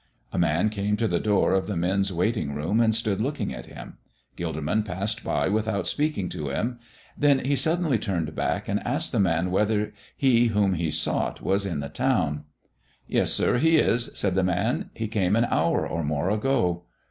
A man came to the door of the men's waiting room and stood looking at him. Gilderman passed by without speaking to him then he suddenly turned back and asked the man whether He whom he sought was in the town. "Yes, sir, He is," said the man. "He came an hour or more ago."